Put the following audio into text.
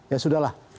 ya sudah lah